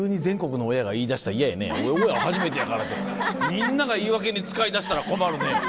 みんなが言い訳に使いだしたら困るね。